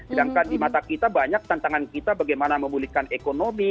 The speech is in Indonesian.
sedangkan di mata kita banyak tantangan kita bagaimana memulihkan ekonomi